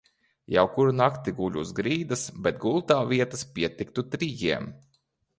Jau kuru nakti guļu uz grīdas, bet gultā vietas pietiktu trijiem.